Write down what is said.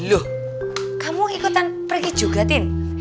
loh kamu ikutan pergi juga tin